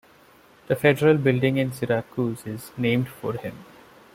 The federal building in Syracuse is named for him.